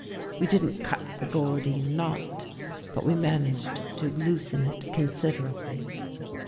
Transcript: We didn't cut the Gordian knot, but we managed to loosen it considerably.